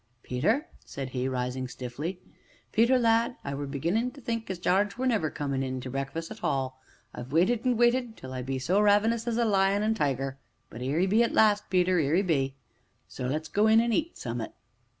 "Peter," said he, rising stiffly, "Peter, lad, I were beginnin' to think as Jarge were never comin' in to breakfus' at all. I've waited and waited till I be so ravenous as a lion an' tiger but 'ere 'e be at last, Peter, 'ere 'e be, so let's go in an' eat summ'at."